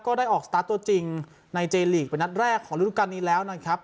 ได้ออกสตาร์ทตัวจริงในเจลีกเป็นนัดแรกของฤดูการนี้แล้วนะครับ